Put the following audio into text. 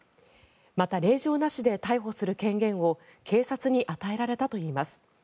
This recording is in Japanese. また、令状なしで逮捕する権限を警察に与えられたといいます。